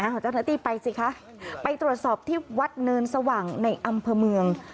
ของเจ้าหน้าที่ไปสิคะไปตรวจสอบที่วัดเนินสว่างในอำเภอเมือง